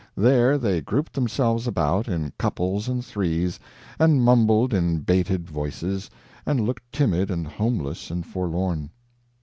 There they grouped themselves about, in couples and threes, and mumbled in bated voices, and looked timid and homeless and forlorn.